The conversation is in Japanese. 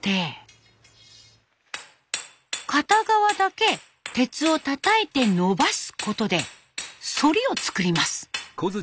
片側だけ鉄をたたいてのばすことで反りを作ります。